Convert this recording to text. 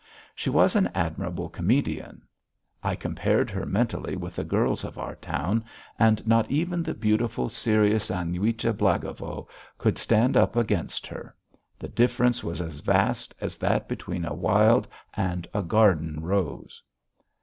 She was an admirable comedian. I compared her mentally with the girls of our town, and not even the beautiful, serious Aniuta Blagovo could stand up against her; the difference was as vast as that between a wild and a garden rose.